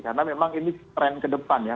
karena memang ini trend ke depan ya